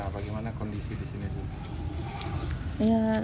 bagaimana kondisi di sini